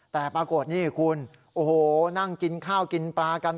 แต่ปรากฏนี่คุณโอ้โหนั่งกินข้าวกินปลากัน